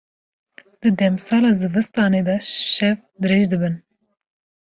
Di demsala zivistanê de, şev dirêj dibin.